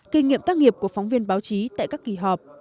kinh nghiệm tác nghiệp của phóng viên báo chí tại các kỳ họp